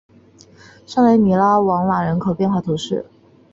圣雷米拉瓦朗人口变化图示